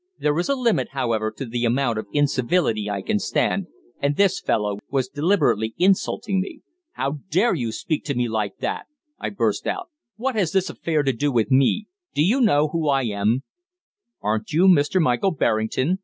There is a limit, however, to the amount of incivility I can stand, and this fellow was deliberately insulting me. "How dare you speak like that to me!" I burst out. "What has this affair to do with me? Do you know who I am?" "Aren't you Mr. Michael Berrington?"